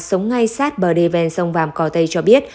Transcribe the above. sống ngay sát bờ đê ven sông vàm cỏ tây cho biết